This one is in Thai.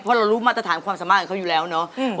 เพราะเรารู้มาตรฐานความสามารถของเขาอยู่แล้วเนาะ